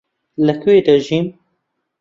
لەکوێ دەژیم؟